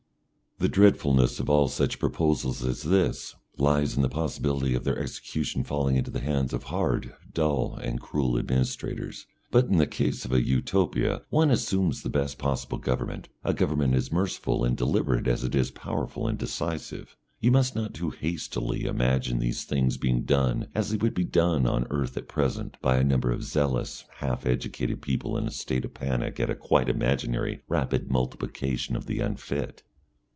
The dreadfulness of all such proposals as this lies in the possibility of their execution falling into the hands of hard, dull, and cruel administrators. But in the case of a Utopia one assumes the best possible government, a government as merciful and deliberate as it is powerful and decisive. You must not too hastily imagine these things being done as they would be done on earth at present by a number of zealous half educated people in a state of panic at a quite imaginary "Rapid Multiplication of the Unfit."